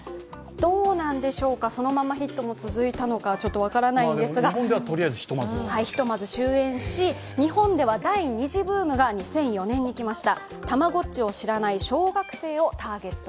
どうなんでしょうか、そのままヒットが続いたのか分からないんですが、日本ではひとまず終えんし、日本では第２次ブームが来ました。